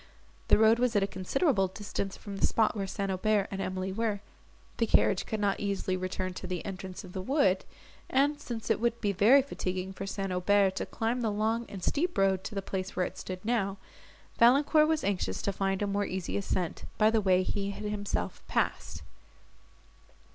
The road was at a considerable distance from the spot where St. Aubert and Emily were; the carriage could not easily return to the entrance of the wood, and, since it would be very fatiguing for St. Aubert to climb the long and steep road to the place where it now stood, Valancourt was anxious to find a more easy ascent, by the way he had himself passed.